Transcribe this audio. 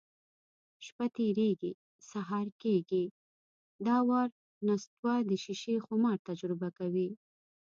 شپه تېرېږي، سهار کېږي. دا وار نستوه د شیشې خمار تجربه کوي: